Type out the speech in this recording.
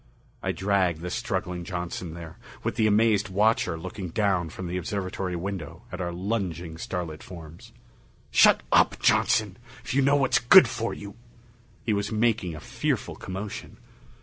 I dragged the struggling Johnson there, with the amazed watcher looking down from the observatory window at our lunging starlit forms. "Shut up, Johnson! If you know what's good for you " He was making a fearful commotion.